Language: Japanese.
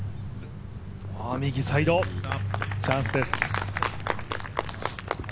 右サイド、チャンスです。